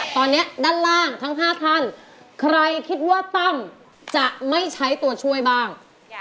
ตอนนี้ด้านล่างทั้ง๕ท่านใครคิดว่าตั้มจะไม่ใช้ตัวช่วยบ้าง